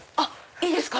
いいですか？